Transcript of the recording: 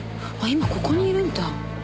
今ここにいるんだ。